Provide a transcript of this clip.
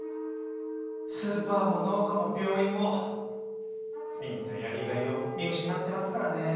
スーパーも農家も病院もみんなやりがいを見失ってますからね。